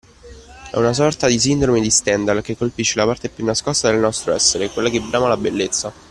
È una sorta di sindrome di Stendhal che colpisce la parte più nascosta del nostro essere, quella che brama la bellezza